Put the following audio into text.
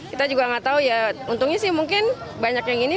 kita juga nggak tahu ya untungnya sih mungkin banyak yang ini